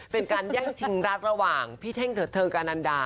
เป็นการแย่งชิงรักระหว่างพี่เท่งเถิดเทิงกับนันดา